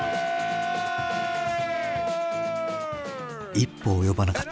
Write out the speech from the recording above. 一歩及ばなかった。